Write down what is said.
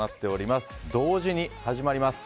同時に始まります。